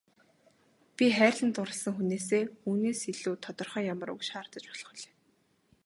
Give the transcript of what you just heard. Би хайрлан дурласан хүнээсээ үүнээс илүү тодорхой ямар үг шаардаж болох билээ.